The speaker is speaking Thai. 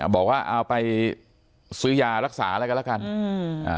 บอกว่าเอาไปซื้อยารักษาอะไรก็ละกันอื้อ